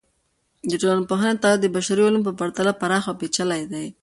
د ټولنپوهنې تعریف د بشري علومو په پرتله پراخه او پیچلي دی.